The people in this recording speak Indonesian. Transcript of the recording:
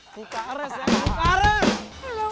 buka res ya buka res